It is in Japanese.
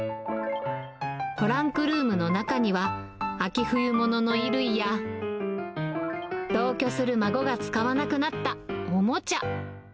トランクルームの中には、秋冬物の衣類や同居する孫が使わなくなったおもちゃ。